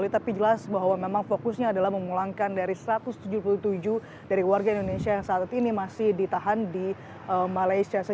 tapi jelas bahwa memang fokusnya adalah memulangkan dari satu ratus tujuh puluh tujuh dari warga indonesia yang saat ini masih ditahan di malaysia